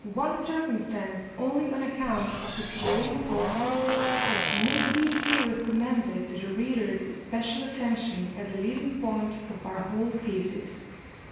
One circumstance, only on account of its great importance, may be here recommended to the reader's especial attention as a leading point of our whole thesis.